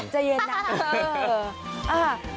เออใจเย็นนะ